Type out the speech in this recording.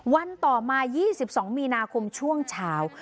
วันต่อมา๒๒มีนาคมช่วงเช้า